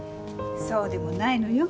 そうでもないのよ。